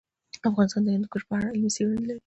افغانستان د هندوکش په اړه علمي څېړنې لري.